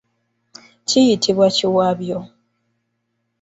Kiyitibwa kiwabyo.